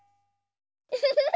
ウフフフ。